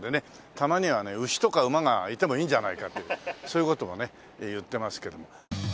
たまにはね牛とか馬がいてもいいんじゃないかってそういう事もね言ってますけども。